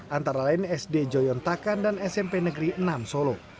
antara lain sd joyontakan dan smp negeri enam solo